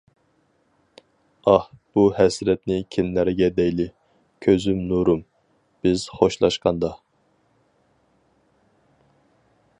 ئاھ. بۇ ھەسرەتنى كىملەرگە دەيلى؟ كۆزۈم نۇرۇم، بىز خوشلاشقاندا.